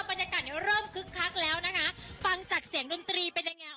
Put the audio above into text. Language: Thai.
บรรยากาศเนี่ยเริ่มคึกคักแล้วนะคะฟังจากเสียงดนตรีเป็นยังไง